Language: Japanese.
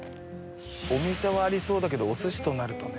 お店はありそうだけどお寿司となるとね。